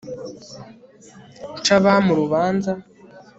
Nce abami urubanza